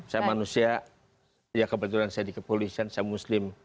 saya manusia ya kebetulan saya dikepolisian saya muslim